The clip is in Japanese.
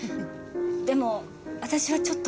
でも私はちょっと。